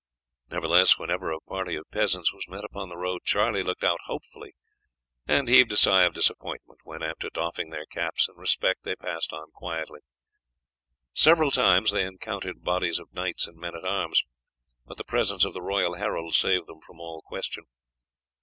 Nevertheless whenever a party of peasants was met upon the road Charlie looked out hopefully and heaved a sigh of disappointment when, after doffing their caps in respect, they passed on quietly. Several times they encountered bodies of knights and men at arms, but the presence of the royal herald saved them from all question.